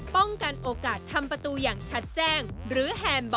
๔ป้องกันโอกาสทำประตูอย่างชัดแจ้งหรือแห่มบ่น